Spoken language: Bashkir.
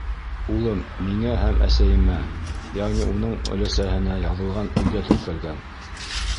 Улым миңә һәм әсәйемә, йәғни уның өләсәһенә, яҙылған өйҙә теркәлгән.